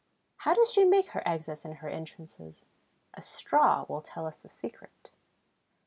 How does she make her exits and her entrances? A straw will tell us the secret.